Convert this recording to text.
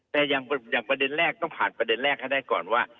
แต่อย่างประเด็นแรกต้องผ่านประเด็นแรกให้ได้ก่อนว่า